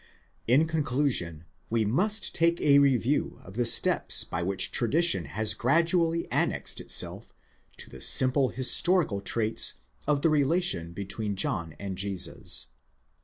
§ In conclusion, we must take a review of the steps by which tradition has gradually annexed itself to the simple historical traits of the relation between Johnand Jesus.